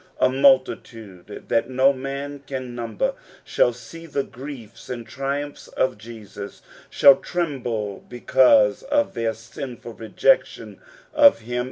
A multitude that no man can number shall see the griefs and triumphs of Jesus, shall tremble because of their sinful rejection of him.